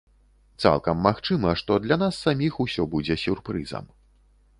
Цалкам магчыма, што для нас саміх усё будзе сюрпрызам.